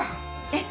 えっ！